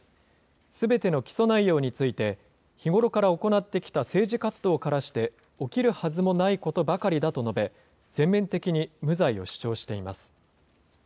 すべての起訴内容について、日頃から行ってきた政治活動からして、起きるはずもないことばかりだと述べ、全面的に無罪を主張しています。